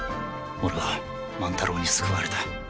俺は万太郎に救われた。